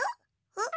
うん？